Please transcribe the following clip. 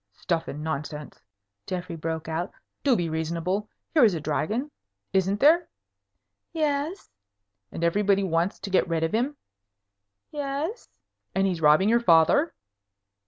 "Stuff and nonsense!" Geoffrey broke out. "Do be reasonable. Here is a dragon. Isn't there?" "Yes." "And everybody wants to get rid of him?" "Yes." "And he's robbing your father?"